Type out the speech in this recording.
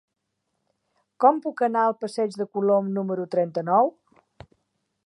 Com puc anar al passeig de Colom número trenta-nou?